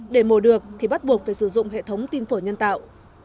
để mổ được thì bắt buộc phải sử dụng hệ thống tim phổi nhân tạo